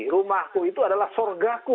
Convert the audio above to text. rumahku itu adalah sorgaku